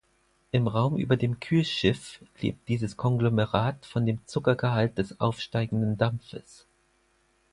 Im Raum über dem Kühlschiff lebt dieses Konglomerat von dem Zuckergehalt des aufsteigenden Dampfes.